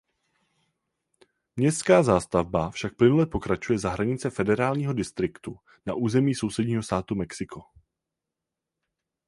Městská zástavba však plynule pokračuje za hranice federálního distriktu na území sousedního státu México.